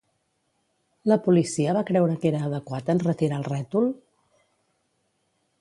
La policia va creure que era adequat enretirar el rètol?